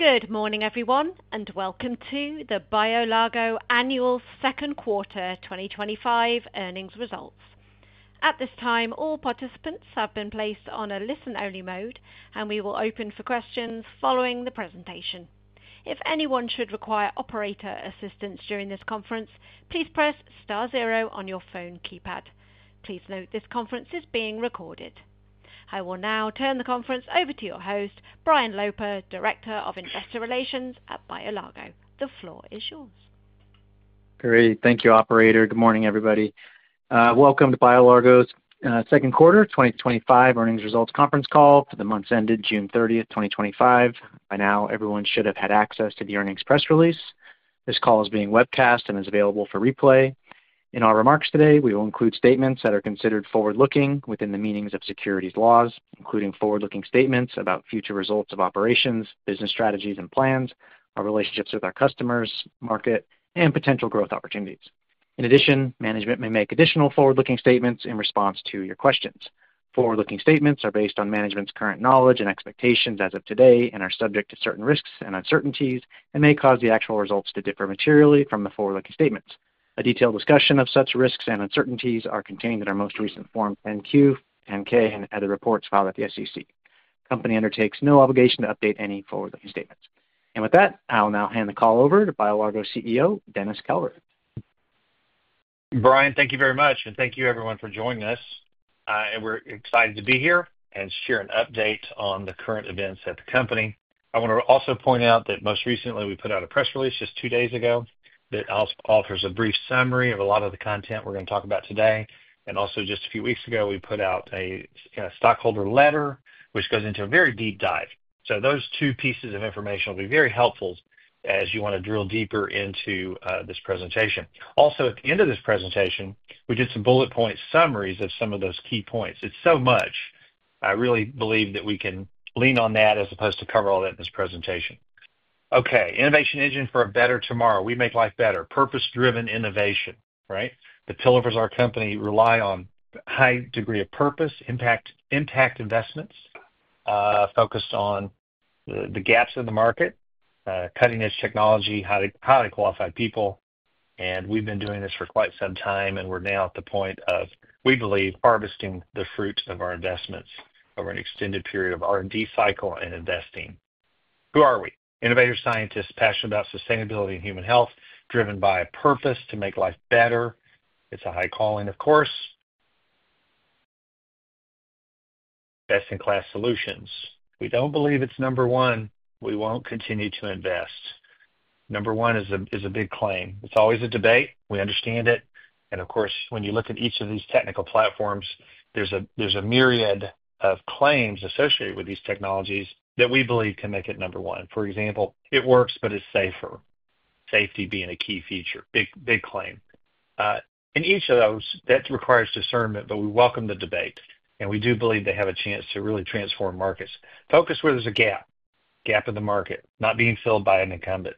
Good morning, everyone, and welcome to the BioLargo Annual Second Quarter 2025 Earnings Results. At this time, all participants have been placed on a listen-only mode, and we will open for questions following the presentation. If anyone should require operator assistance during this conference, please press star zero on your phone keypad. Please note this conference is being recorded. I will now turn the conference over to your host, Brian Loper, Director of Investor Relations at BioLargo. The floor is yours. Great, thank you, Operator. Good morning, everybody. Welcome to BioLargo's Second Quarter 2025 Earnings Results Conference Call for the months ended June 30th, 2025. By now, everyone should have had access to the earnings press release. This call is being webcast and is available for replay. In our remarks today, we will include statements that are considered forward-looking within the meanings of securities laws, including forward-looking statements about future results of operations, business strategies and plans, our relationships with our customers, market, and potential growth opportunities. In addition, management may make additional forward-looking statements in response to your questions. Forward-looking statements are based on management's current knowledge and expectations as of today and are subject to certain risks and uncertainties and may cause the actual results to differ materially from the forward-looking statements. A detailed discussion of such risks and uncertainties is contained in our most recent Form NQ, NK, and other reports filed at the SEC. The company undertakes no obligation to update any forward-looking statements. With that, I will now hand the call over to BioLargo CEO, Dennis Calvert. Brian, thank you very much, and thank you, everyone, for joining us. We're excited to be here and share an update on the current events at the company. I want to also point out that most recently we put out a press release just two days ago that offers a brief summary of a lot of the content we're going to talk about today. Also, just a few weeks ago, we put out a stockholder letter, which goes into a very deep dive. Those two pieces of information will be very helpful as you want to drill deeper into this presentation. At the end of this presentation, we did some bullet point summaries of some of those key points. It's so much. I really believe that we can lean on that as opposed to cover all that in this presentation. Okay, innovation engine for a better tomorrow. We make life better. Purpose-driven innovation, right? The pillars of our company rely on a high degree of purpose, impact investments, focused on the gaps in the market, cutting-edge technology, highly qualified people. We've been doing this for quite some time, and we're now at the point of, we believe, harvesting the fruits of our investments over an extended period of R&D cycle and investing. Who are we? Innovator scientists, passionate about sustainability and human health, driven by a purpose to make life better. It's a high calling, of course. Best-in-class solutions. We don't believe it's number one. We won't continue to invest. Number one is a big claim. It's always a debate. We understand it. When you look at each of these technical platforms, there's a myriad of claims associated with these technologies that we believe can make it number one. For example, it works, but it's safer. Safety being a key feature. Big claim. In each of those, that requires discernment, but we welcome the debate. We do believe they have a chance to really transform markets. Focus where there's a gap. Gap in the market, not being filled by an incumbent.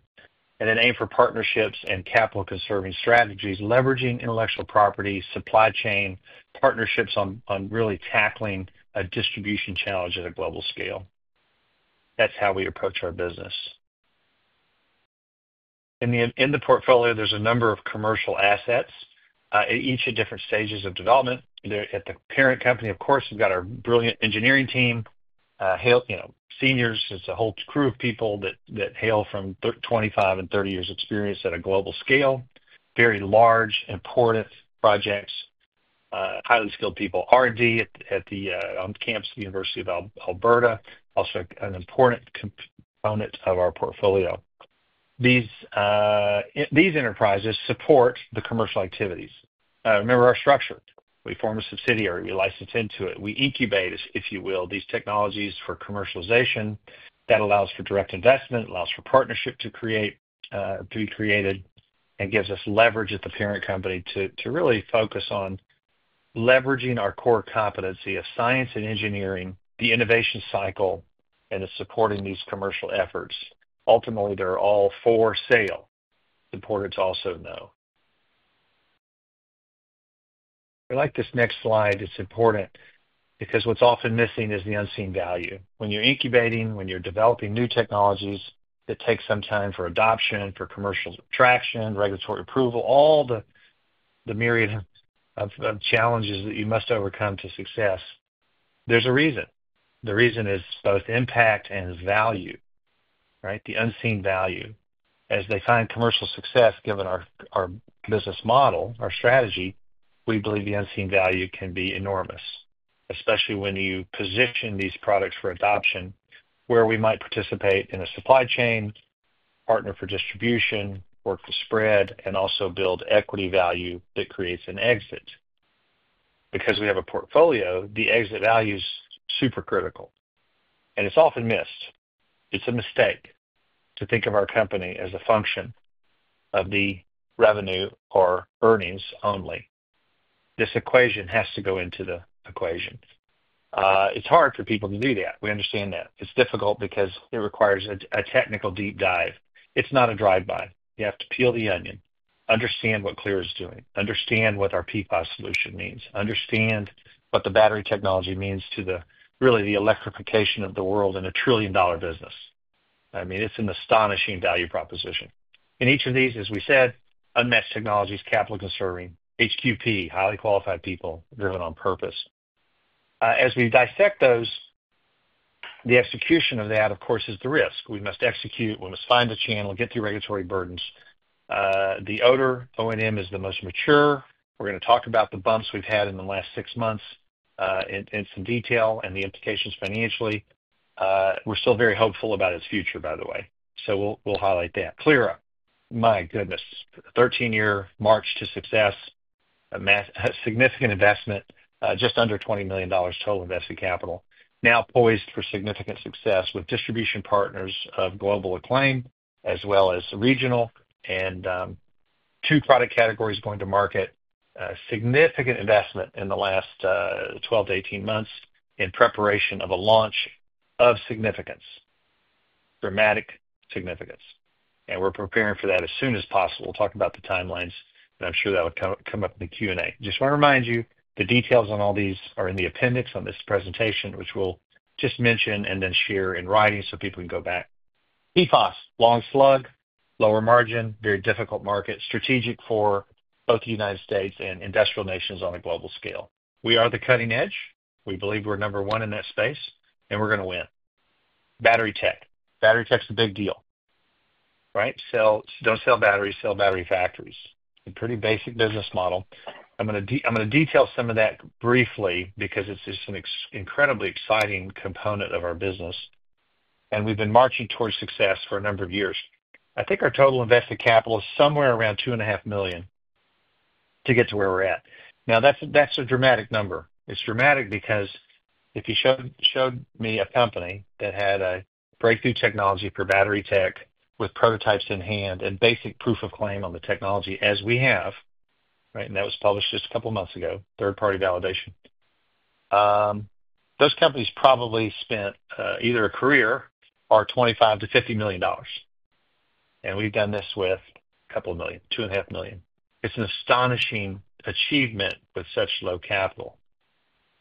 Aim for partnerships and capital-conserving strategies, leveraging intellectual property, supply chain, partnerships on really tackling a distribution challenge at a global scale. That's how we approach our business. In the portfolio, there's a number of commercial assets at each of different stages of development. At the parent company, of course, we've got our brilliant engineering team, seniors, it's a whole crew of people that hail from 25 and 30 years of experience at a global scale. Very large, important projects. Highly skilled people, R&D at the campus of the University of Alberta, also an important component of our portfolio. These enterprises support the commercial activities. Remember our structure. We form a subsidiary. We license into it. We incubate, if you will, these technologies for commercialization. That allows for direct investment, allows for partnership to be created, and gives us leverage at the parent company to really focus on leveraging our core competency of science and engineering, the innovation cycle, and supporting these commercial efforts. Ultimately, they're all for sale. Important to also know. I like this next slide. It's important because what's often missing is the unseen value. When you're incubating, when you're developing new technologies, it takes some time for adoption, for commercial traction, regulatory approval, all the myriad of challenges that you must overcome to success. There's a reason. The reason is both impact and value, right? The unseen value. As they find commercial success, given our business model, our strategy, we believe the unseen value can be enormous, especially when you position these products for adoption where we might participate in a supply chain, partner for distribution, work to spread, and also build equity value that creates an exit. Because we have a portfolio, the exit value is super critical. It's often missed. It's a mistake to think of our company as a function of the revenue or earnings only. This equation has to go into the equation. It's hard for people to do that. We understand that. It's difficult because it requires a technical deep dive. It's not a drive-by. You have to peel the onion,1 understand what Clyra is doing, understand what our PFAS solution means, understand what the battery technology means to really the electrification of the world in a trillion-dollar business. I mean, it's an astonishing value proposition. In each of these, as we said, unmatched technologies, capital-conserving, HQP, highly qualified people, driven on purpose. As we dissect those, the execution of that, of course, is the risk. We must execute, we must find a channel, get through regulatory burdens. The odor, ONM, is the most mature. We're going to talk about the bumps we've had in the last six months in some detail and the implications financially. We're still very hopeful about its future, by the way. We'll highlight that. CLEAR Up, my goodness, 13-year march to success, a significant investment, just under $20 million total invested capital. Now poised for significant success with distribution partners of global acclaim, as well as regional and two product categories going to market. A significant investment in the last 12 to 18 months in preparation of a launch of significance, dramatic significance. We are preparing for that as soon as possible. We'll talk about the timelines, and I'm sure that will come up in the Q&A. Just want to remind you, the details on all these are in the appendix on this presentation, which we'll just mention and then share in writing so people can go back. PFAS, long slug, lower margin, very difficult market, strategic for both the United States and industrial nations on a global scale. We are the cutting edge. We believe we're number one in that space, and we're going to win. Battery tech. Battery tech's a big deal, right? Don't sell batteries, sell battery factories. A pretty basic business model. I'm going to detail some of that briefly because it's just an incredibly exciting component of our business. We've been marching towards success for a number of years. I think our total invested capital is somewhere around $2.5 million to get to where we're at. Now, that's a dramatic number. It's dramatic because if you showed me a company that had a breakthrough technology for battery tech with prototypes in hand and basic proof of claim on the technology as we have, right? That was published just a couple of months ago, third-party validation. Those companies probably spent either a career or $25 million-$50 million. We've done this with a couple of million, $2.5 million. It's an astonishing achievement with such low capital.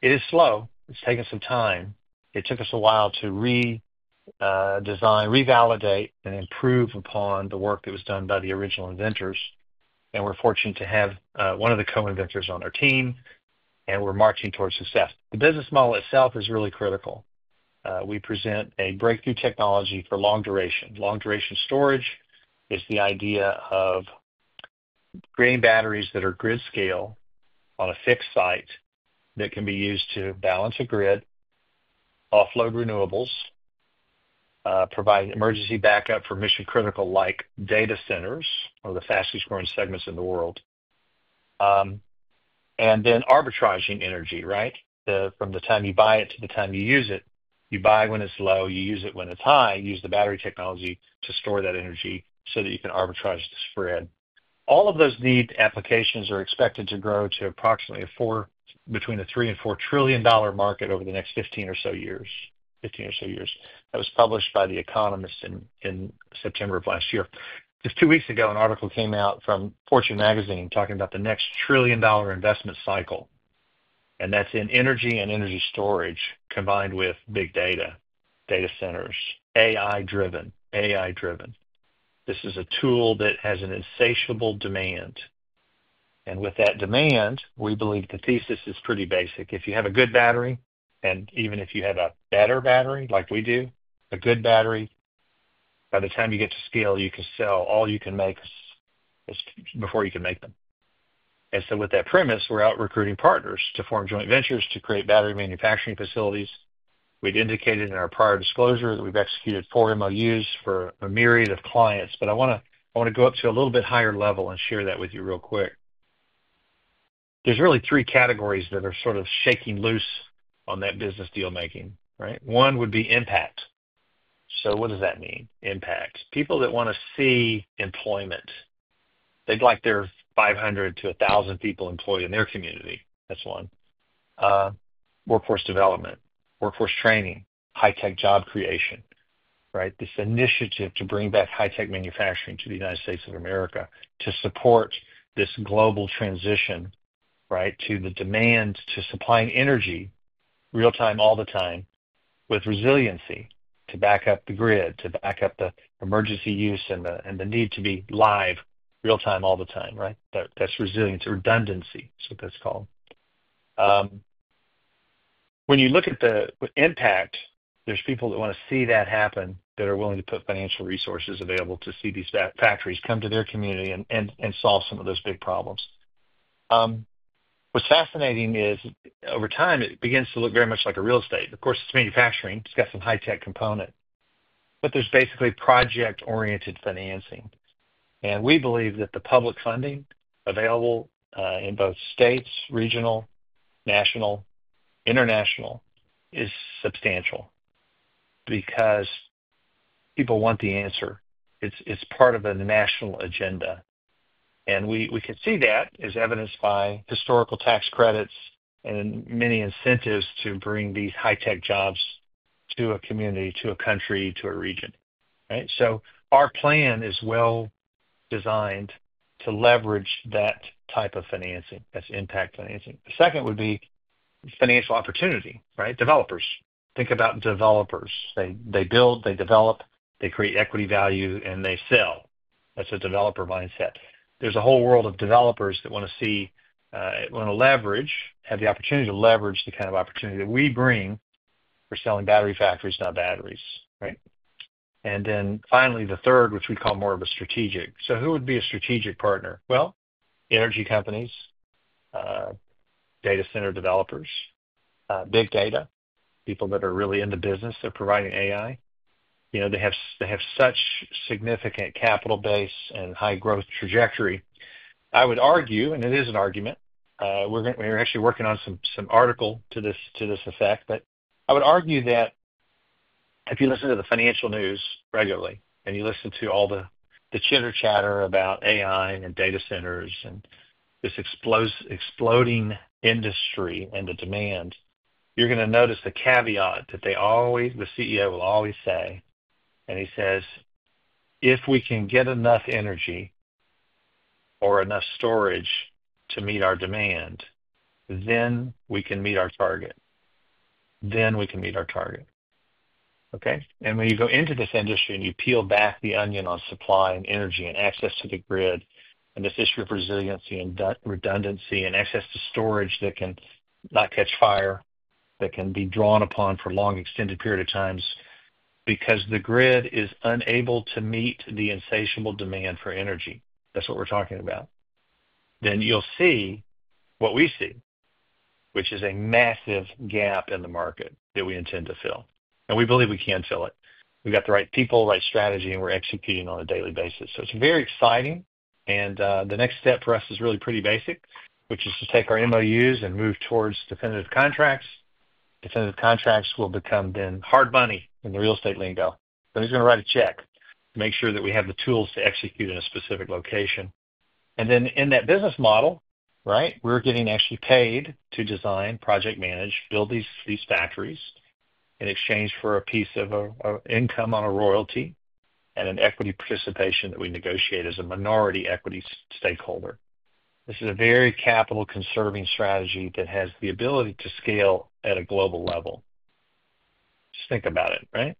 It is slow. It's taken some time. It took us a while to redesign, revalidate, and improve upon the work that was done by the original inventors. We're fortunate to have one of the co-inventors on our team, and we're marching towards success. The business model itself is really critical. We present a breakthrough technology for long duration. Long duration storage is the idea of creating batteries that are grid scale on a fixed site that can be used to balance a grid, offload renewables, provide emergency backup for mission-critical, like Data Centers, one of the fastest growing segments in the world. Then arbitraging energy, right? From the time you buy it to the time you use it. You buy when it's low, you use it when it's high, you use the battery technology to store that energy so that you can arbitrage the spread. All of those need applications are expected to grow to approximately between a $3 trillion and $4 trillion market over the next 15 or so years. That was published by The Economist in September of last year. Just two weeks ago, an article came out from Fortune Magazine talking about the next trillion dollar investment cycle. That's in Energy and Energy Storage combined with Big Data, Data Centers, AI-driven. This is a tool that has an insatiable demand. With that demand, we believe the thesis is pretty basic. If you have a good battery, and even if you have a better battery, like we do, a good battery, by the time you get to scale, you can sell all you can make before you can make them. With that premise, we're out recruiting partners to form joint ventures to create battery manufacturing facilities. We'd indicated in our prior disclosure that we've executed four MoUs for a myriad of clients, but I want to go up to a little bit higher level and share that with you real quick. There's really three categories that are sort of shaking loose on that business deal-making, right? One would be impact. What does that mean? Impact. People that want to see employment. They'd like their 500-1,000 people employed in their community. That's one. Workforce development, workforce training, high-tech job creation, right? This initiative to bring back high-tech manufacturing to the United States of America to support this global transition, right, to the demand to supply energy real-time, all the time, with resiliency to back up the grid, to back up the emergency use and the need to be live real-time all the time, right? That's resiliency, redundancy is what that's called. When you look at the impact, there's people that want to see that happen that are willing to put financial resources available to see these factories come to their community and solve some of those big problems. What's fascinating is, over time, it begins to look very much like real estate. Of course, it's manufacturing. It's got some high-tech component. There's basically project-oriented financing. We believe that the public funding available in both states, regional, national, international is substantial because people want the answer. It's part of a national agenda. We can see that as evidenced by historical tax credits and many incentives to bring these high-tech jobs to a community, to a country, to a region, right? Our plan is well designed to leverage that type of financing. That is impact financing. The second would be financial opportunity, right? Developers. Think about developers. They build, they develop, they create equity value, and they sell. That is a developer mindset. There is a whole world of developers that want to see, want to leverage, have the opportunity to leverage the kind of opportunity that we bring. We are selling battery factories, not batteries, right? Finally, the third, which we call more of a strategic. Who would be a strategic partner? Energy companies, data center developers, big data, people that are really in the business. They are providing AI. They have such a significant capital base and high growth trajectory. I would argue, and it is an argument, we are actually working on some article to this effect, but I would argue that if you listen to the financial news regularly and you listen to all the chitter-chatter about AI and data centers and this exploding industry and the demand, you are going to notice the caveat that the CEO will always say. He says, "If we can get enough energy or enough storage to meet our demand, then we can meet our target. Then we can meet our target." When you go into this industry and you peel back the onion on supply and energy and access to the grid and this issue of resiliency and redundancy and access to storage that cannot catch fire, that can be drawn upon for a long, extended period of time because the grid is unable to meet the insatiable demand for energy, that is what we are talking about, then you will see what we see, which is a massive gap in the market that we intend to fill. We believe we can fill it. We have got the right people, right strategy, and we are executing on a daily basis. It is very exciting. The next step for us is really pretty basic, which is to take our MoUs and move towards definitive contracts. Definitive contracts will become then hard money in the real estate lingo. Who is going to write a check? Make sure that we have the tools to execute in a specific location. In that business model, we're getting actually paid to design, project manage, build these factories in exchange for a piece of income on a royalty and an equity participation that we negotiate as a minority equity stakeholder. This is a very capital-conserving strategy that has the ability to scale at a global level. Just think about it, right?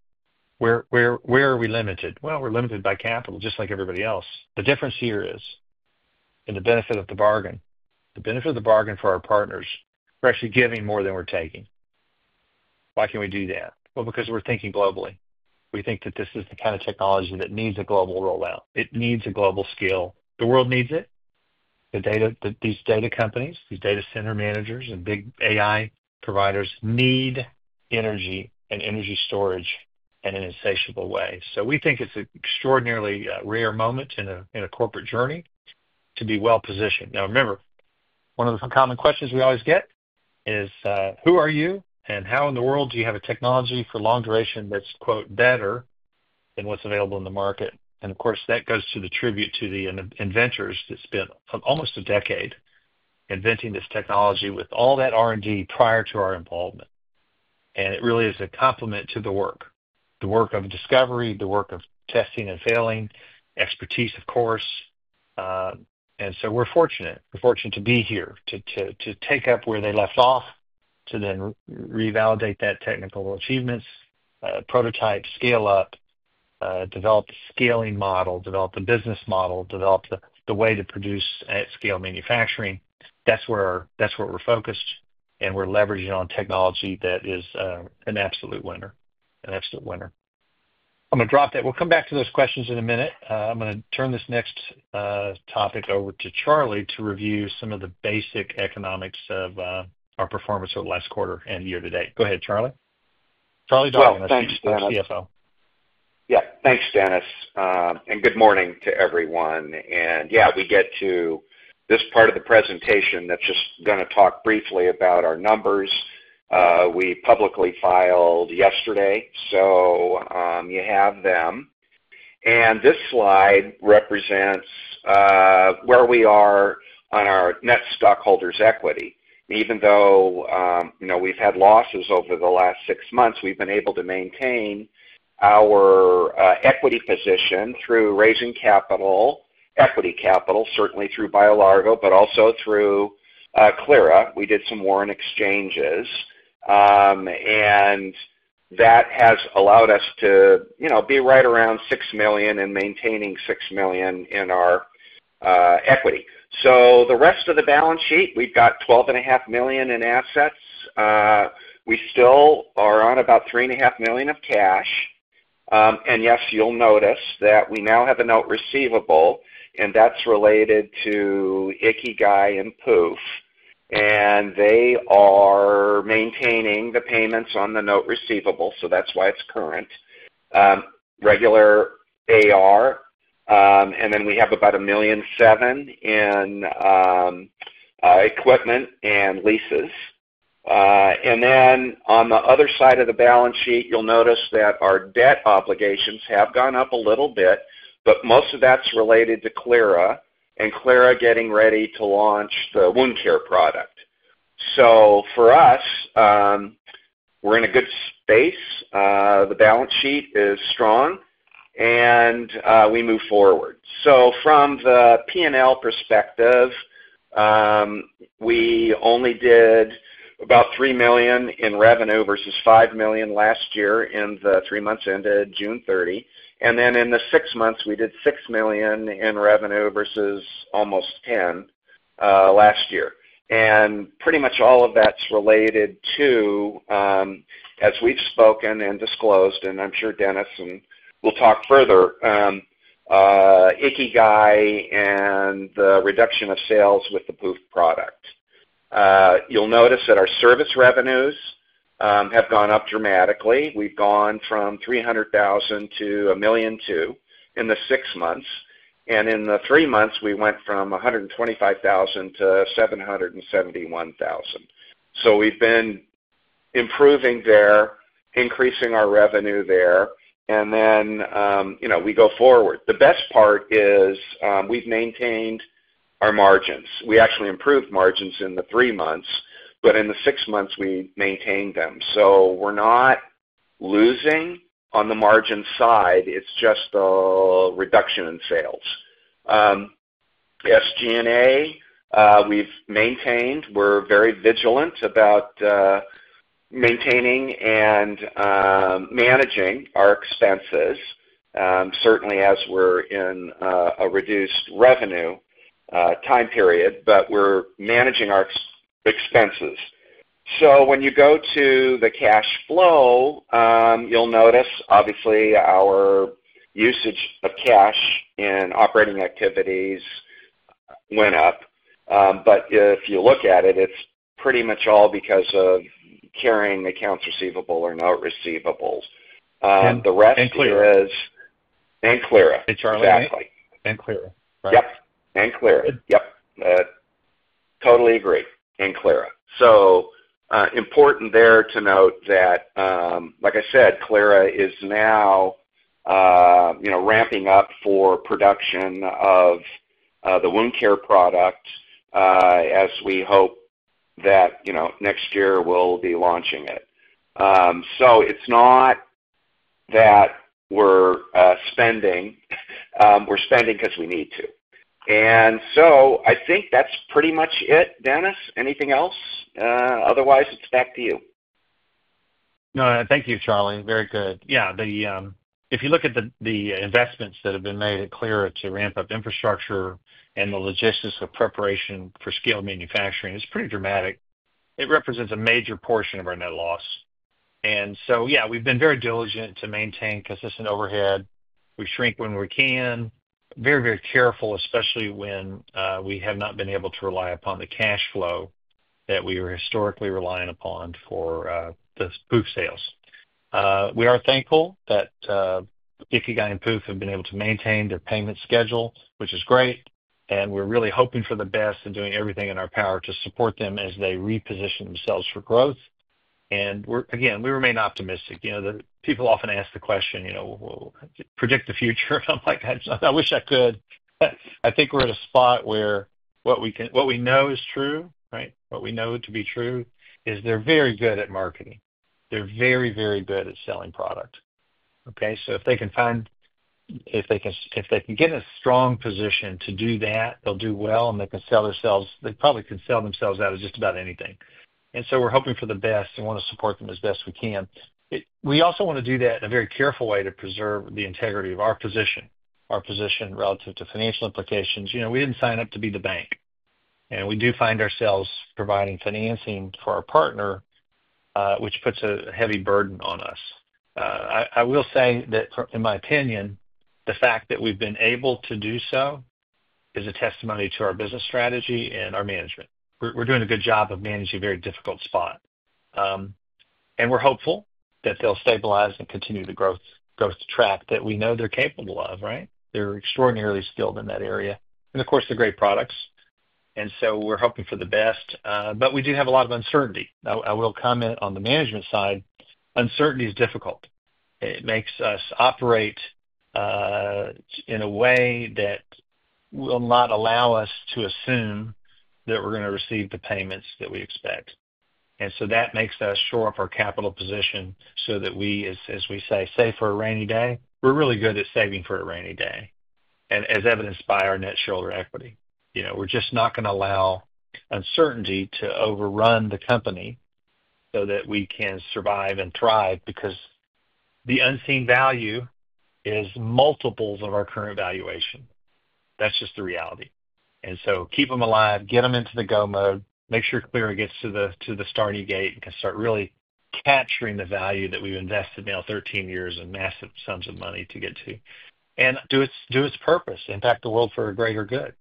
Where are we limited? We're limited by capital, just like everybody else. The difference here is in the benefit of the bargain. The benefit of the bargain for our partners, we're actually giving more than we're taking. Why can we do that? Because we're thinking globally. We think that this is the kind of technology that needs a global rollout. It needs a global scale. The world needs it. The data, these data companies, these data center managers, and big AI providers need energy and energy storage in an insatiable way. We think it's an extraordinarily rare moment in a corporate journey to be well positioned. Now, remember, one of the common questions we always get is, who are you and how in the world do you have a technology for long duration that's, quote, "better" than what's available in the market? That goes to the tribute to the inventors that spent almost a decade inventing this technology with all that R&D prior to our involvement. It really is a compliment to the work. The work of discovery, the work of testing and failing, expertise, of course. We're fortunate. We're fortunate to be here to take up where they left off, to then revalidate that technical achievements, prototype, scale up, develop the scaling model, develop the business model, develop the way to produce at scale manufacturing. That's where we're focused, and we're leveraging on technology that is an absolute winner. An absolute winner. I'm going to drop that. We'll come back to those questions in a minute. I'm going to turn this next topic over to Charlie to review some of the basic economics of our performance over the last quarter and year to date. Go ahead, Charlie. Charlie Dargan, our CFO. Yeah, thanks, Dennis. Good morning to everyone. We get to this part of the presentation that's just going to talk briefly about our numbers. We publicly filed yesterday, so you have them. This slide represents where we are on our net stockholders' equity. Even though we've had losses over the last six months, we've been able to maintain our equity position through raising capital, equity capital, certainly through BioLargo, but also through Clyra. We did some warrant exchanges. That has allowed us to be right around $6 million and maintaining $6 million in our equity. The rest of the balance sheet, we've got $12.5 million in assets. We still are on about $3.5 million of cash. You'll notice that we now have a note receivable, and that's related to Ikigai and POOPH. They are maintaining the payments on the note receivable, so that's why it's current. Regular AR. We have about $1.7 million in equipment and leases. On the other side of the balance sheet, you'll notice that our debt obligations have gone up a little bit, but most of that's related to Clyra and Clyra getting ready to launch the wound care product. For us, we're in a good space. The balance sheet is strong. We move forward. From the P&L perspective, we only did about $3 million in revenue versus $5 million last year in the three months ended June 30. In the six months, we did $6 million in revenue versus almost $10 million last year. Pretty much all of that's related to, as we've spoken and disclosed, and I'm sure Dennis will talk further, Ikigai and the reduction of sales with the POOPH product. You'll notice that our service revenues have gone up dramatically. We've gone from $300,000 to $1.2 million in the six months. In the three months, we went from $125,000 to $771,000. We've been improving there, increasing our revenue there. The best part is we've maintained our margins. We actually improved margins in the three months, but in the six months, we maintained them. We're not losing on the margin side. It's just a reduction in sales. SG&A, we've maintained. We're very vigilant about maintaining and managing our expenses, certainly as we're in a reduced revenue time period, but we're managing our expenses. When you go to the cash flow, you'll notice, obviously, our usage of cash in operating activities went up. If you look at it, it's pretty much all because of carrying the accounts receivable or note receivable. The rest is in Clyra. Charlie Dargan and Clyra, right? Yes. And Clyra. Yes. Totally agree. And Clyra. It is important there to note that, like I said, Clyra is now ramping up for production of the wound care product as we hope that next year we'll be launching it. It is not that we're spending. We're spending because we need to. I think that's pretty much it, Dennis. Anything else? Otherwise, it's back to you. No, thank you, Charlie. Very good. Yeah, if you look at the investments that have been made at Clyra to ramp up infrastructure and the logistics of preparation for scale manufacturing, it's pretty dramatic. It represents a major portion of our net loss. Yeah, we've been very diligent to maintain consistent overhead. We shrink when we can. Very, very careful, especially when we have not been able to rely upon the cash flow that we were historically reliant upon for the POOPH sales. We are thankful that Ikigai and POOPH have been able to maintain their payment schedule, which is great. We're really hoping for the best and doing everything in our power to support them as they reposition themselves for growth. We remain optimistic. People often ask the question, you know, predict the future. I'm like, I wish I could. I think we're at a spot where what we know is true, right? What we know to be true is they're very good at marketing. They're very, very good at selling product. If they can find, if they can get in a strong position to do that, they'll do well, and they can sell themselves. They probably could sell themselves out of just about anything. We're hoping for the best and want to support them as best we can. We also want to do that in a very careful way to preserve the integrity of our position, our position relative to financial implications. We didn't sign up to be the bank. We do find ourselves providing financing for our partner, which puts a heavy burden on us. I will say that in my opinion, the fact that we've been able to do so is a testimony to our business strategy and our management. We're doing a good job of managing a very difficult spot. We're hopeful that they'll stabilize and continue the growth track that we know they're capable of, right? They're extraordinarily skilled in that area. Of course, they're great products. We're hoping for the best. We do have a lot of uncertainty. I will comment on the management side. Uncertainty is difficult. It makes us operate in a way that will not allow us to assume that we're going to receive the payments that we expect. That makes us shore up our capital position so that we, as we say, save for a rainy day. We're really good at saving for a rainy day, and as evidenced by our net shoulder equity. You know, we're just not going to allow uncertainty to overrun the company so that we can survive and thrive because the unseen value is multiples of our current valuation. That's just the reality. Keep them alive, get them into the go mode, make sure Clyra gets to the starting gate and can start really capturing the value that we've invested now 13 years and massive sums of money to get to. Do its purpose, impact the world for a greater good.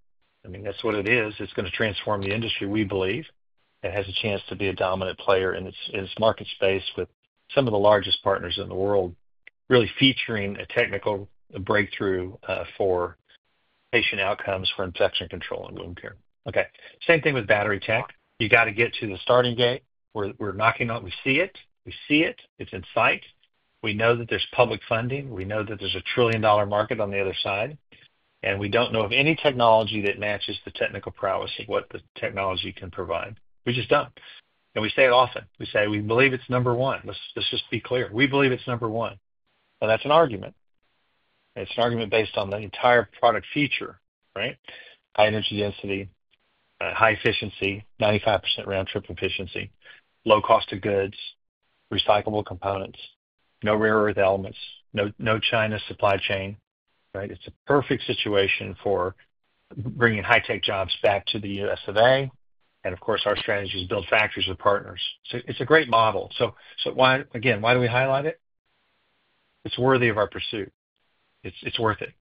I mean, that's what it is. It's going to transform the industry, we believe, and has a chance to be a dominant player in its market space with some of the largest partners in the world really featuring a technical breakthrough for patient outcomes for infection control and wound care. Okay, same thing with battery tech. You got to get to the starting gate. We're knocking on it. We see it. We see it. It's in sight. We know that there's public funding. We know that there's a trillion-dollar market on the other side. We don't know of any technology that matches the technical prowess of what the technology can provide. We just don't. We say it often. We say we believe it's number one. Let's just be clear. We believe it's number one. That's an argument. It's an argument based on the entire product feature, right? High energy density, high efficiency, 95% round-trip efficiency, low cost of goods, recyclable components, no rare earth elements, no China supply chain, right? It's a perfect situation for bringing high-tech jobs back to the U.S. of A. Of course, our strategy is to build factories with partners. It's a great model. Why, again, why do we highlight it? It's worthy of our pursuit. It's worth it.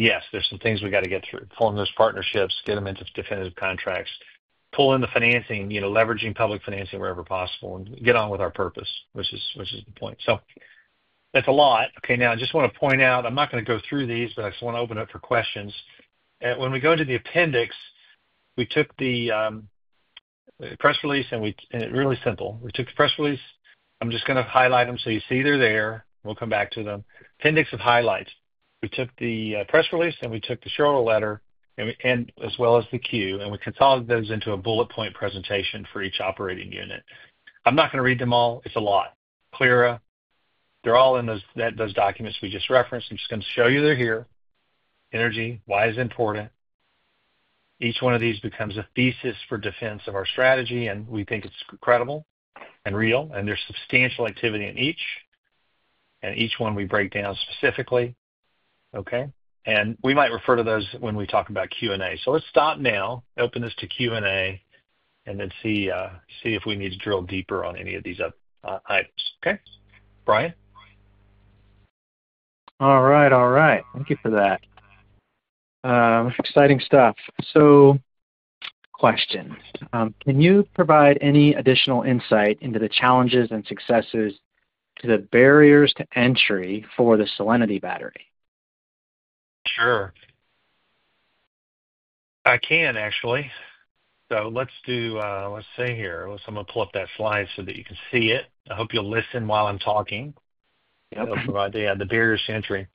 Yes, there's some things we got to get through. Pull in those partnerships, get them into definitive contracts, pull in the financing, you know, leveraging public financing wherever possible, and get on with our purpose, which is the point. That's a lot. Okay, now I just want to point out, I'm not going to go through these, but I just want to open up for questions. When we go into the appendix, we took the press release and it's really simple. We took the press release. I'm just going to highlight them so you see they're there. We'll come back to them. Appendix of highlights. We took the press release and we took the shorter letter and as well as the Q, and we consolidated those into a bullet point presentation for each operating unit. I'm not going to read them all. It's a lot. Clyra, they're all in those documents we just referenced. I'm just going to show you they're here. Energy, why is it important? Each one of these becomes a thesis for defense of our strategy, and we think it's credible and real, and there's substantial activity in each. Each one we break down specifically. We might refer to those when we talk about Q&A. Let's stop now, open this to Q&A, and then see if we need to drill deeper on any of these items. Brian? All right, all right. Thank you for that. Exciting stuff. Question. Can you provide any additional insight into the challenges and successes to the barriers to entry for the Solenity battery? Sure, I can actually. Let's do, let's say here, I'm going to pull up that slide so that you can see it. I hope you'll listen while I'm talking. Yep. Yeah, the barriers to entry.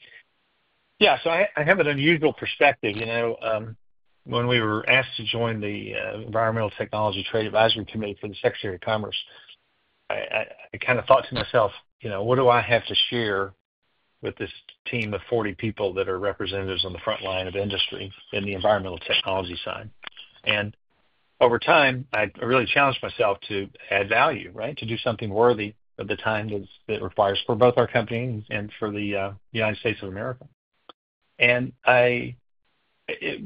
I have an unusual perspective. When we were asked to join the Environmental Technologies Trade Advisory Committee for the Secretary of Commerce, I kind of thought to myself, what do I have to share with this team of 40 people that are representatives on the front line of industry in the environmental technology side? Over time, I really challenged myself to add value, to do something worthy of the time that it requires for both our company and for the United States of America. It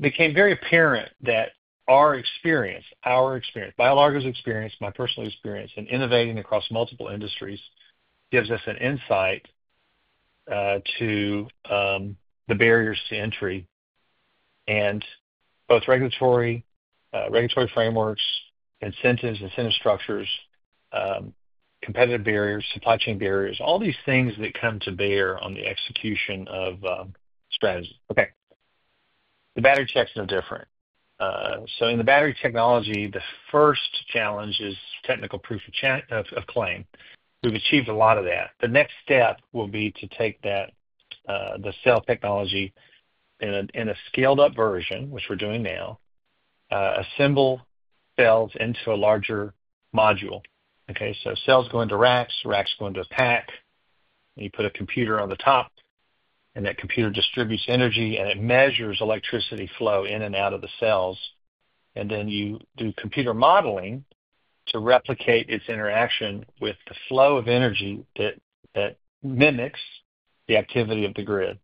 became very apparent that our experience, BioLargo's experience, my personal experience in innovating across multiple industries gives us an insight to the barriers to entry and both regulatory frameworks, incentives, incentive structures, competitive barriers, supply chain barriers, all these things that come to bear on the execution of strategy. The battery tech's no different. In the battery technology, the first challenge is technical proof of claim. We've achieved a lot of that. The next step will be to take that, the cell technology in a scaled-up version, which we're doing now, assemble cells into a larger module. Cells go into racks, racks go into a pack, and you put a computer on the top, and that computer distributes energy, and it measures electricity flow in and out of the cells. You do computer modeling to replicate its interaction with the flow of energy that mimics the activity of the grid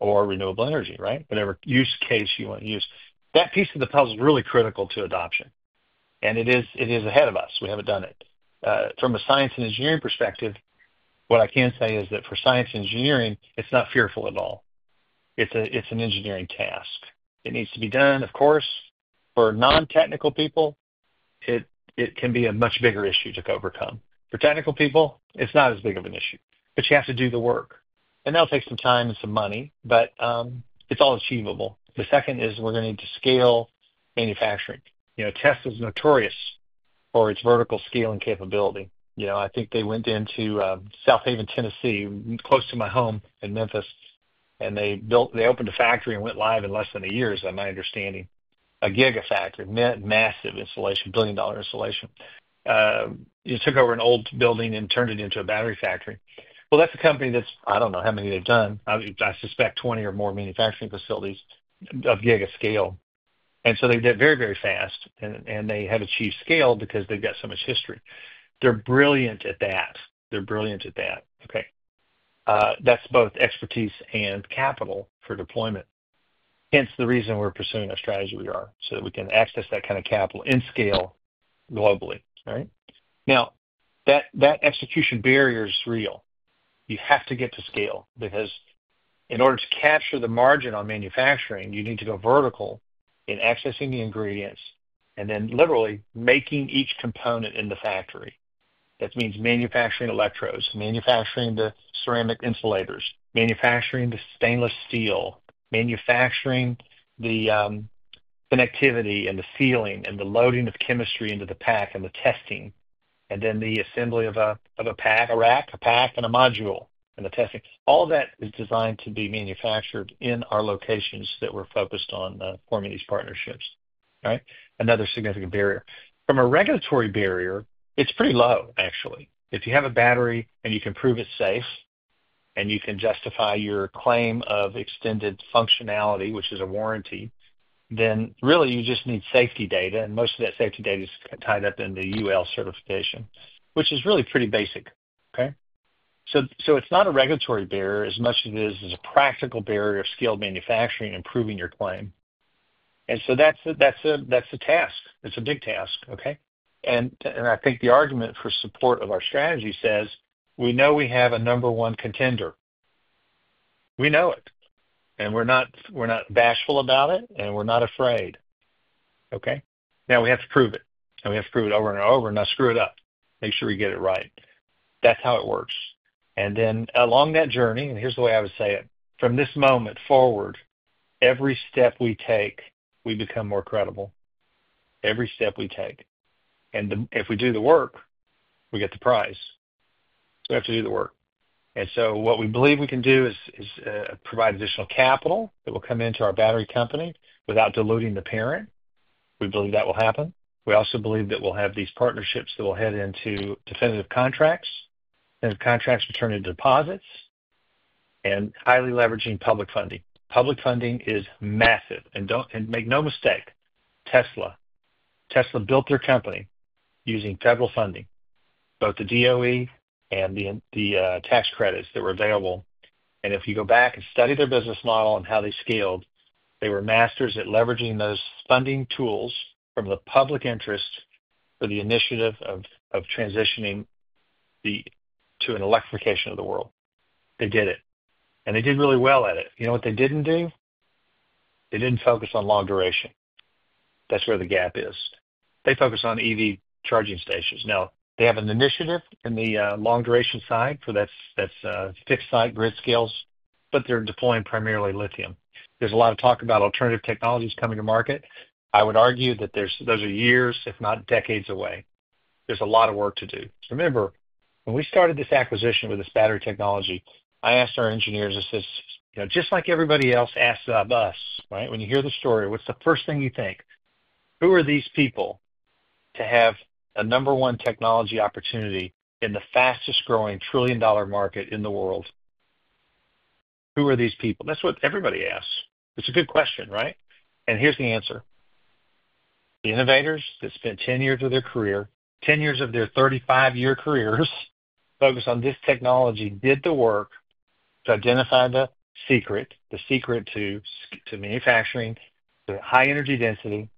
or renewable energy, whatever use case you want to use. That piece of the puzzle is really critical to adoption. It is ahead of us. We haven't done it. From a science and engineering perspective, what I can say is that for science and engineering, it's not fearful at all. It's an engineering task. It needs to be done, of course. For non-technical people, it can be a much bigger issue to overcome. For technical people, it's not as big of an issue, but you have to do the work. That'll take some time and some money, but it's all achievable. The second is we're going to need to scale manufacturing. Tesla's notorious for its vertical scaling capability. I think they went into South Haven, Tennessee, close to my home in Memphis, and they built, they opened a factory and went live in less than a year, is my understanding. A gigafactory, meant massive installation, billion-dollar installation. You took over an old building and turned it into a battery factory. That's a company that's, I don't know how many they've done. I suspect 20 or more manufacturing facilities of gig scale. They did it very, very fast, and they have achieved scale because they've got so much history. They're brilliant at that. They're brilliant at that. That's both expertise and capital for deployment. Hence the reason we're pursuing our strategy, we are, so that we can access that kind of capital in scale globally, right? That execution barrier is real. You have to get to scale because in order to capture the margin on manufacturing, you need to go vertical in accessing the ingredients and then literally making each component in the factory. That means manufacturing electrodes, manufacturing the ceramic insulators, manufacturing the stainless steel, manufacturing the connectivity and the sealing and the loading of chemistry into the pack and the testing, and then the assembly of a pack, a rack, a pack, and a module, and the testing. All of that is designed to be manufactured in our locations that we're focused on forming these partnerships, right? Another significant barrier. From a regulatory barrier, it's pretty low, actually. If you have a battery and you can prove it's safe and you can justify your claim of extended functionality, which is a warranty, then really you just need safety data, and most of that safety data is tied up in the UL certification, which is really pretty basic, okay? It's not a regulatory barrier as much as it is a practical barrier of skilled manufacturing and proving your claim. That's a task. That's a big task, okay? I think the argument for support of our strategy says, we know we have a number one contender. We know it. We're not bashful about it, and we're not afraid, okay? Now we have to prove it. We have to prove it over and over and not screw it up. Make sure we get it right. That's how it works. Along that journey, and here's the way I would say it, from this moment forward, every step we take, we become more credible. Every step we take. If we do the work, we get the prize. We have to do the work. What we believe we can do is provide additional capital that will come into our battery company without diluting the parent. We believe that will happen. We also believe that we'll have these partnerships that will head into definitive contracts, and the contracts will turn into deposits and highly leveraging public funding. Public funding is massive. Don't make no mistake, Tesla. Tesla built their company using federal funding, both the DOE and the tax credits that were available. If you go back and study their business model and how they scaled, they were masters at leveraging those funding tools from the public interest for the initiative of transitioning to an electrification of the world. They did it, and they did really well at it. You know what they didn't do? They didn't focus on long duration. That's where the gap is. They focus on EV charging stations. Now, they have an initiative in the long duration side for that's fixed site grid scales, but they're deploying primarily lithium. There's a lot of talk about alternative technologies coming to market. I would argue that those are years, if not decades, away. There's a lot of work to do. Remember, when we started this acquisition with this battery technology, I asked our engineers if this, you know, just like everybody else asks about us, right? When you hear the story, what's the first thing you think? Who are these people to have a number one technology opportunity in the fastest growing trillion-dollar market in the world? Who are these people? That's what everybody asks. It's a good question, right? Here's the answer. The innovators that spent 10 years of their career, 10 years of their 35-year careers focused on this technology, did the work to identify the secret, the secret to manufacturing, to high energy density,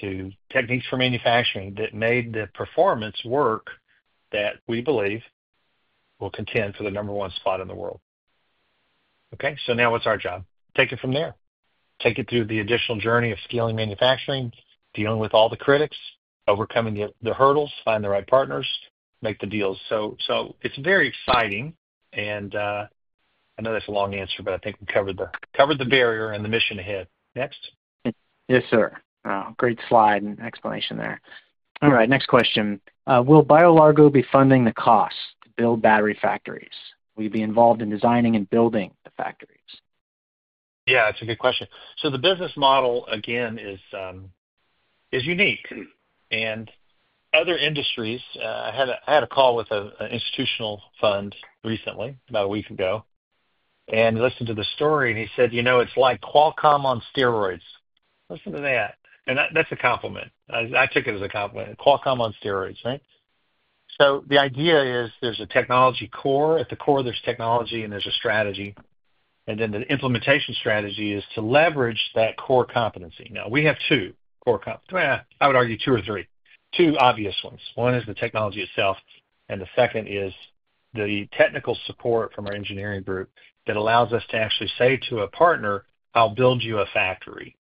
to techniques for manufacturing that made the performance work that we believe will contend for the number one spot in the world. Okay, now what's our job? Take it from there. Take it through the additional journey of scaling manufacturing, dealing with all the critics, overcoming the hurdles, finding the right partners, make the deals. It's very exciting. I know that's a long answer, but I think we covered the barrier and the mission ahead. Next. Yes, sir. Great slide and explanation there. All right, next question. Will BioLargo be funding the cost to build battery factories? Will you be involved in designing and building the factories? Yeah, that's a good question. The business model, again, is unique. In other industries, I had a call with an institutional fund recently, about a week ago, and I listened to the story and he said, you know, it's like Qualcomm on steroids. Listen to that. That's a compliment. I took it as a compliment. Qualcomm on steroids, right? The idea is there's a technology core. At the core, there's technology and there's a strategy. The implementation strategy is to leverage that core competency. Now, we have two core competencies. I would argue two or three. Two obvious ones. One is the technology itself, and the second is the technical support from our engineering group that allows us to actually say to a partner, I'll build you a factory.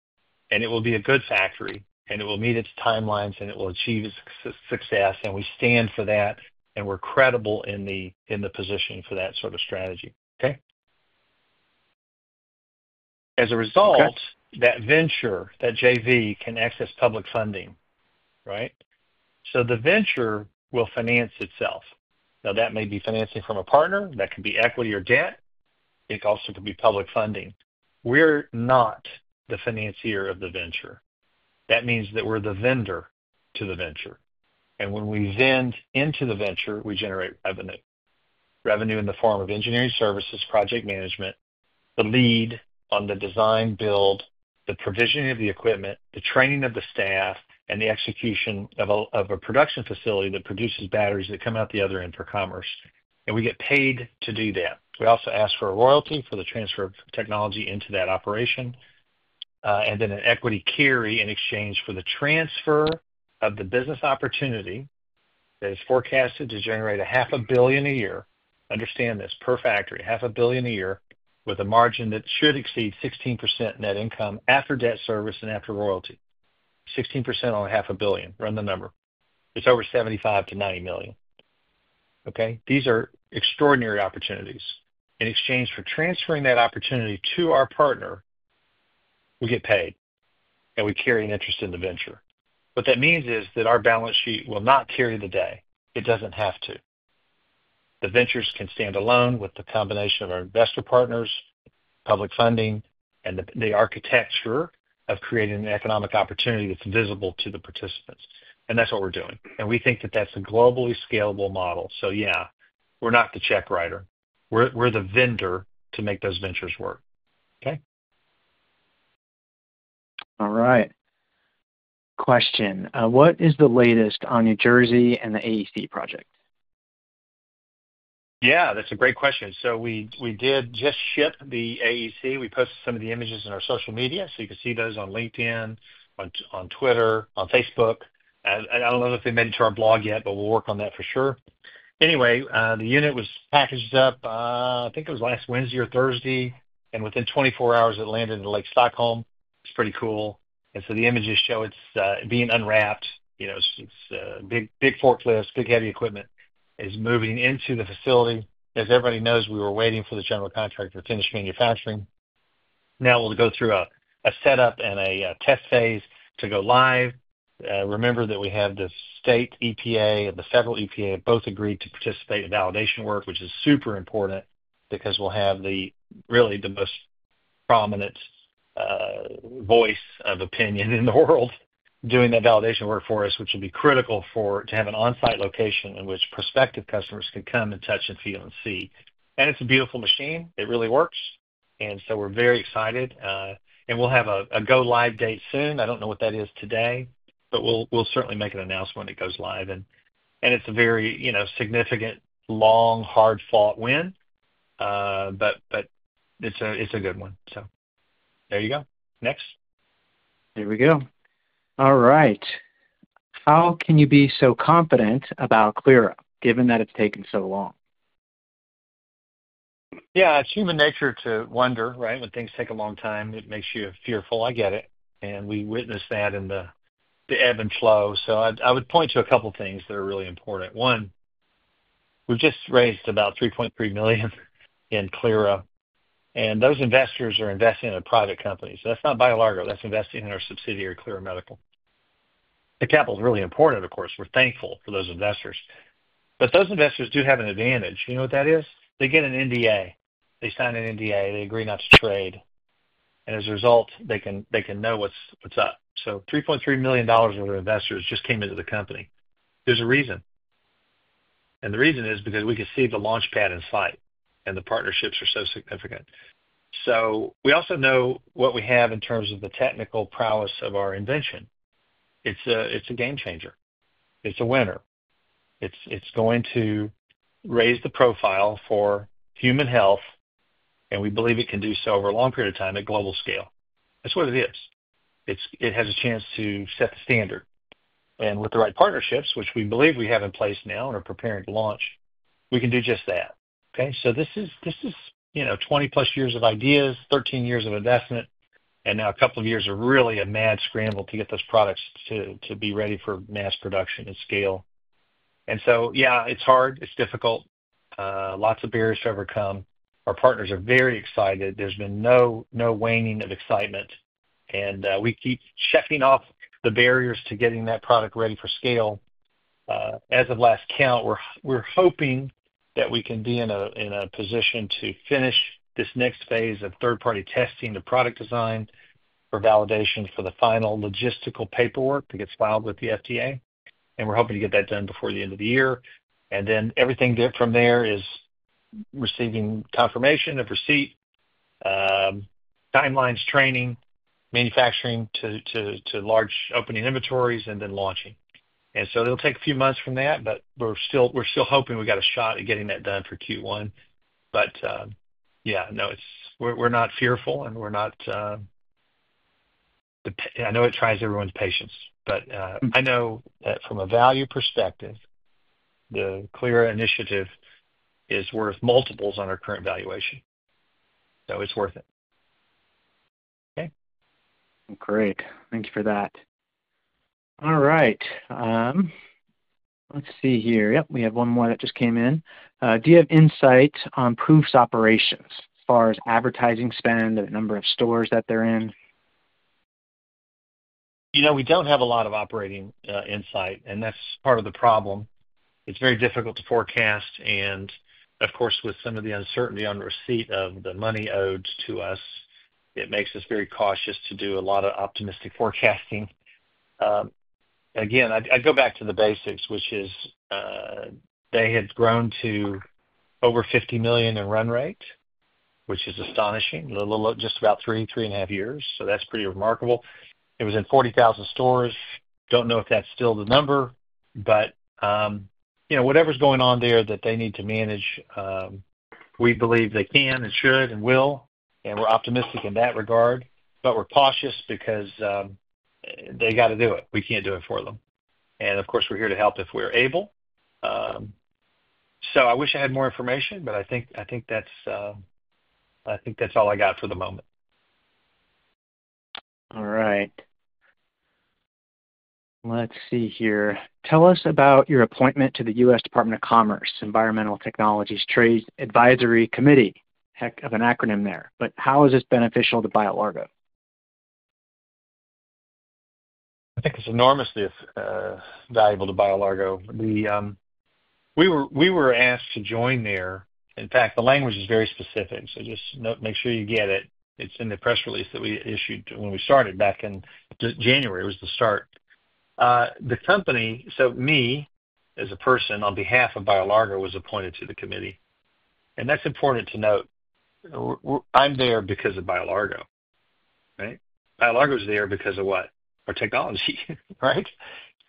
It will be a good factory, and it will meet its timelines, and it will achieve its success. We stand for that, and we're credible in the position for that sort of strategy. As a result, that venture, that JV, can access public funding, right? The venture will finance itself. That may be financing from a partner. That could be equity or debt. It also could be public funding. We're not the financier of the venture. That means that we're the vendor to the venture. When we vend into the venture, we generate revenue. Revenue in the form of engineering services, project management, the lead on the design, build, the provisioning of the equipment, the training of the staff, and the execution of a production facility that produces batteries that come out the other end for commerce. We get paid to do that. We also ask for a royalty for the transfer of technology into that operation, and then an equity carry in exchange for the transfer of the business opportunity that is forecasted to generate $500 million a year. Understand this, per factory, $500 million a year with a margin that should exceed 16% net income after debt service and after royalty. 16% on $500 million. Run the number. It's over $75 million-$90 million. These are extraordinary opportunities. In exchange for transferring that opportunity to our partner, we get paid. We carry an interest in the venture. What that means is that our balance sheet will not carry the day. It doesn't have to. The ventures can stand alone with the combination of our investor partners, public funding, and the architecture of creating an economic opportunity that's visible to the participants. That's what we're doing. We think that that's a globally scalable model. We're not the check writer. We're the vendor to make those ventures work. All right. Question. What is the latest on New Jersey and the AEC project? Yeah, that's a great question. We did just ship the AEC. We posted some of the images in our social media. You can see those on LinkedIn, on Twitter, on Facebook. I don't know if they've been to our blog yet, but we'll work on that for sure. The unit was packaged up. I think it was last Wednesday or Thursday. Within 24 hours, it landed in Lake Stockholm. It's pretty cool. The images show it's being unwrapped. It's a big forklift, big heavy equipment is moving into the facility. As everybody knows, we were waiting for the general contractor to finish manufacturing. Now we'll go through a setup and a test phase to go live. Remember that we have the state EPA and the federal EPA both agreed to participate in validation work, which is super important because we'll have really the most prominent voice of opinion in the world doing that validation work for us, which would be critical to have an on-site location in which prospective customers could come and touch and feel and see. It's a beautiful machine. It really works. We're very excited. We'll have a go live date soon. I don't know what that is today, but we'll certainly make an announcement when it goes live. It's a very significant, long, hard-fought win. It's a good one. There you go. Next. Here we go. All right. How can you be so confident about Clyra given that it's taken so long? Yeah, it's human nature to wonder, right? When things take a long time, it makes you fearful. I get it. We witness that in the ebb and flow. I would point to a couple of things that are really important. One, we've just raised about $3.3 million in Clyra. Those investors are investing in a private company. That's not BioLargo. That's investing in our subsidiary, Clyra Medical. The capital is really important, of course. We're thankful for those investors. Those investors do have an advantage. You know what that is? They get an NDA. They sign an NDA. They agree not to trade. As a result, they can know what's up. So $3.3 million of investors just came into the company. There's a reason. The reason is because we can see the launch pad in sight. The partnerships are so significant. We also know what we have in terms of the technical prowess of our invention. It's a game changer. It's a winner. It's going to raise the profile for human health. We believe it can do so over a long period of time at global scale. That's what it is. It has a chance to set the standard. With the right partnerships, which we believe we have in place now and are preparing to launch, we can do just that. This is 20+ years of ideas, 13 years of investment, and now a couple of years of really a mad scramble to get those products to be ready for mass production and scale. It's hard. It's difficult. Lots of barriers to overcome. Our partners are very excited. There's been no waning of excitement. We keep checking off the barriers to getting that product ready for scale. As of last count, we're hoping that we can be in a position to finish this next phase of third-party testing the product design for validation for the final logistical paperwork that gets filed with the FDA. We're hoping to get that done before the end of the year. Everything good from there is receiving confirmation of receipt, timelines, training, manufacturing to large opening inventories, and then launching. It'll take a few months from that, but we're still hoping we got a shot at getting that done for Q1. We're not fearful and we're not... I know it tries everyone's patience, but I know that from a value perspective, the Clyra initiative is worth multiples on our current valuation. It's worth it. Okay. Great. Thank you for that. All right. Let's see here. Yep, we have one more that just came in. Do you have insight on POOPH's operations as far as advertising spend, the number of stores that they're in? We don't have a lot of operating insight, and that's part of the problem. It's very difficult to forecast. Of course, with some of the uncertainty on receipt of the money owed to us, it makes us very cautious to do a lot of optimistic forecasting. I go back to the basics, which is they had grown to over $50 million in run rate, which is astonishing. Just about three, three and a half years. That's pretty remarkable. It was in 40,000 stores. I don't know if that's still the number, but whatever's going on there that they need to manage, we believe they can and should and will. We're optimistic in that regard, but we're cautious because they got to do it. We can't do it for them. Of course, we're here to help if we're able. I wish I had more information, but I think that's all I got for the moment. All right. Let's see here. Tell us about your appointment to the U.S. Department of Commerce Environmental Technologies Trade Advisory Committee. Heck of an acronym there. How is this beneficial to BioLargo? I think it's enormously valuable to BioLargo. We were asked to join there. In fact, the language is very specific, so just make sure you get it. It's in the press release that we issued when we started back in January. It was the start. The company, so me, as a person on behalf of BioLargo, was appointed to the committee. That's important to note. I'm there because of BioLargo, right? BioLargo's there because of what? Our technology, right?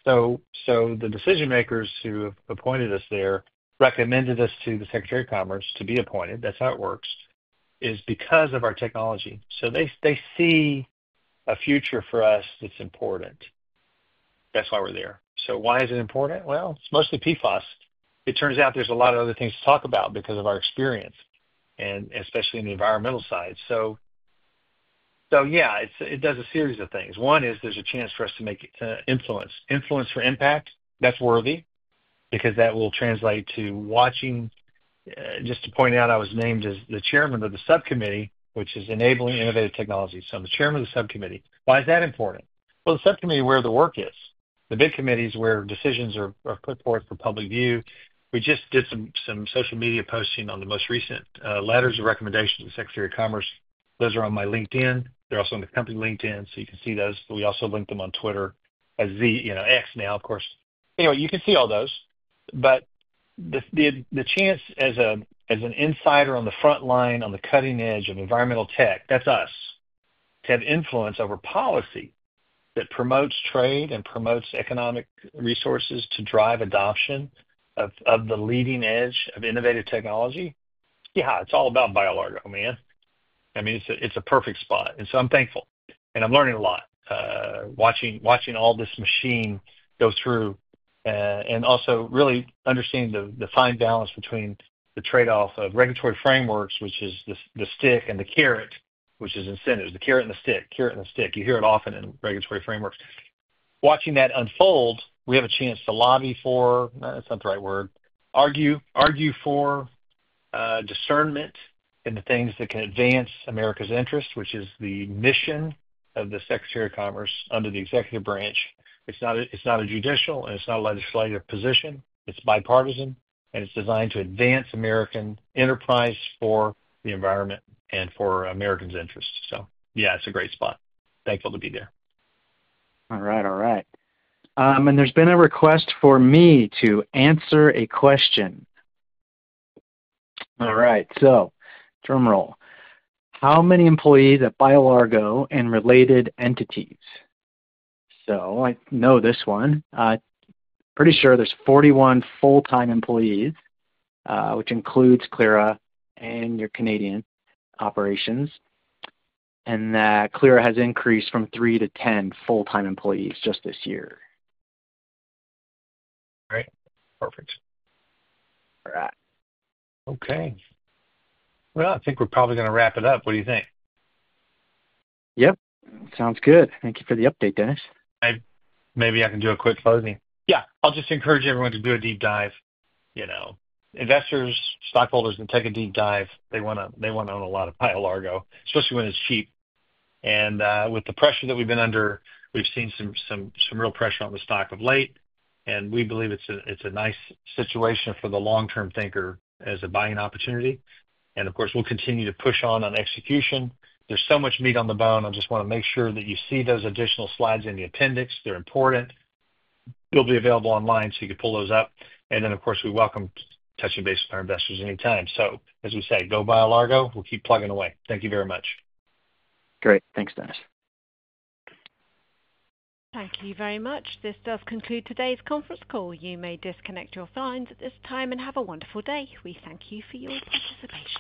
The decision makers who appointed us there recommended us to the Secretary of Commerce to be appointed. That's how it works, is because of our technology. They see a future for us that's important. That's why we're there. Why is it important? It's mostly PFAS. It turns out there's a lot of other things to talk about because of our experience, and especially in the environmental side. It does a series of things. One is there's a chance for us to make influence. Influence for impact, that's worthy because that will translate to watching. I was named as the Chairman of the subcommittee, which is Enabling Innovative Technologies. I'm the Chairman of the subcommittee. Why is that important? The subcommittee is where the work is. The big committee is where decisions are put forth for public view. We just did some social media posting on the most recent letters of recommendation to the Secretary of Commerce. Those are on my LinkedIn. They're also on the company LinkedIn, so you can see those. We also link them on Twitter as the, you know, X now, of course. You can see all those. The chance as an insider on the front line, on the cutting edge of environmental tech, that's us, to have influence over policy that promotes trade and promotes economic resources to drive adoption of the leading edge of innovative technology. It's all about BioLargo, man. I mean, it's a perfect spot. I'm thankful. I'm learning a lot. Watching all this machine go through and also really understand the fine balance between the trade-off of regulatory frameworks, which is the stick and the carrot, which is incentives. The carrot and the stick, carrot and the stick. You hear it often in regulatory frameworks. Watching that unfold, we have a chance to lobby for, that's not the right word, argue for discernment in the things that can advance America's interests, which is the mission of the Secretary of Commerce under the executive branch. It's not a judicial and it's not a legislative position. It's bipartisan and it's designed to advance American enterprise for the environment and for Americans' interests. It's a great spot. Thankful to be there. All right, all right. There's been a request for me to answer a question. Drum roll. How many employees at BioLargo and related entities? I know this one. I'm pretty sure there's 41 full-time employees, which includes Clyra and your Canadian operations. Clyra has increased from three to 10 full-time employees just this year. Great. Perfect. All right. Okay. I think we're probably going to wrap it up. What do you think? Yep. Sounds good. Thank you for the update, Dennis. Maybe I can do a quick closing. Yeah I'll just encourage everyone to do a deep dive. You know, investors, stockholders that take a deep dive, they want to own a lot of BioLargo, especially when it's cheap. With the pressure that we've been under, we've seen some real pressure on the stock of late. We believe it's a nice situation for the long-term thinker as a buying opportunity. Of course, we'll continue to push on execution. There's so much meat on the bone. I just want to make sure that you see those additional slides in the appendix. They're important. They'll be available online so you can pull those up. Of course, we welcome touching base with our investors anytime. As we say, go BioLargo. We'll keep plugging away. Thank you very much. Great. Thanks, Dennis. Thank you very much. This does conclude today's conference call. You may disconnect your phones at this time and have a wonderful day. We thank you for your participation.